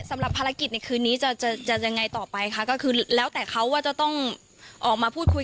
สำหรับภารกิจในคืนนี้จะจะยังไงต่อไปคะก็คือแล้วแต่เขาว่าจะต้องออกมาพูดคุย